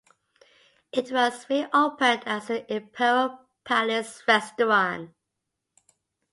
It was reopened as the Imperial Palace Restaurant.